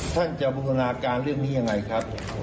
ท่านจะบรรกีตั้งจากการเรื่องนี้ยังไงครับ